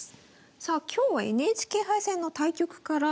さあ今日はＮＨＫ杯戦の対局から。